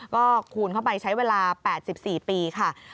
ก็คูณเข้าไปใช้เวลา๘๔ปีค่ะ